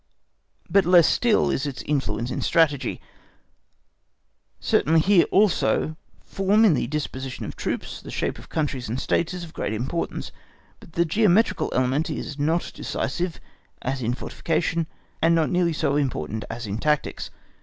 But less still is its influence in Strategy; certainly here, also, form in the disposition of troops, the shape of countries and states is of great importance; but the geometrical element is not decisive, as in fortification, and not nearly so important as in tactics.